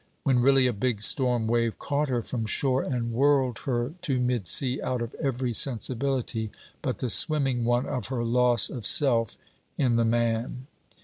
when really a big storm wave caught her from shore and whirled her to mid sea, out of every sensibility but the swimming one of her loss of self in the man.